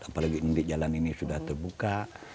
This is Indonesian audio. apalagi jalan ini sudah terbuka